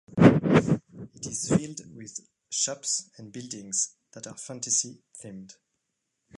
It is filled with shops and buildings that are fantasy-themed.